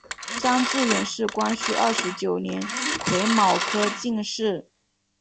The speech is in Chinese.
张智远是光绪二十九年癸卯科进士。